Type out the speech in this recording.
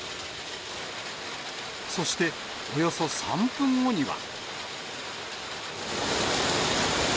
そしておよそ３分後には。